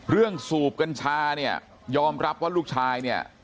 สูบกัญชาเนี่ยยอมรับว่าลูกชายเนี่ย